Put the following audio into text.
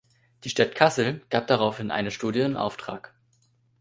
Die Stadt Kassel gab daraufhin eine Studie in Auftrag.